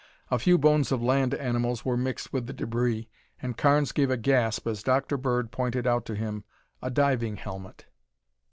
A few bones of land animals were mixed with the debris and Carnes gave a gasp as Dr. Bird pointed out to him a diving helmet.